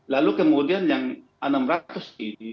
lalu kemudian yang enam ratus ini